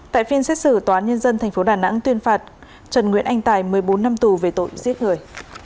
tại phiên xét xử tòa nhân dân tp đà nẵng tuyên phạt trần nguyễn anh tài một mươi bốn năm tù về tội giết người